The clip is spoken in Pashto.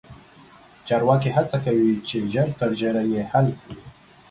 چارواکي هڅه کوي چې ژر تر ژره یې حل کړي.